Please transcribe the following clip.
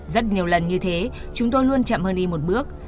rất nhiều lần như thế chúng tôi luôn chậm hơn đi một bước